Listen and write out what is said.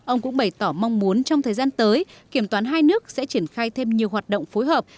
ông cũng bày tỏ mong muốn trong thời gian tới kiểm toán hai nước sẽ triển khai thêm nhiều hoạt động phối hợp